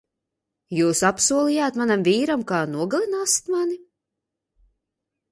Jūs apsolījāt manam vīram, ka nogalināsit mani?